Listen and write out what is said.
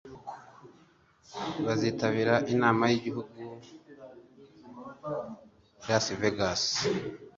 bazitabira inama yigihugu i las vegas